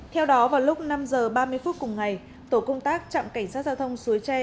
theo đó vào lúc năm h ba mươi phút cùng ngày tổ công tác trạm cảnh sát giao thông suối tre